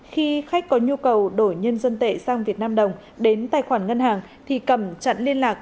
khi khách có nhu cầu đổi nhân dân tệ sang việt nam đồng đến tài khoản ngân hàng thì cẩm chặn liên lạc